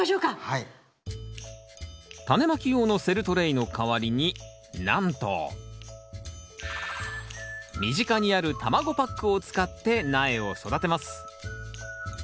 タネまき用のセルトレイの代わりになんと身近にある卵パックを使って苗を育てます。